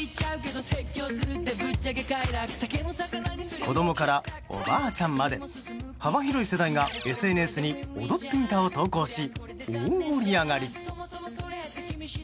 子どもからおばあちゃんまで幅広い世代がＳＮＳに踊ってみたを投稿し大盛り上がり。